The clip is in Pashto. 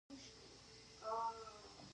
دوی میزونه او څوکۍ جوړوي.